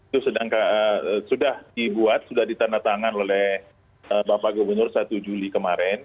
itu sudah dibuat sudah ditandatangan oleh bapak gubernur satu juli kemarin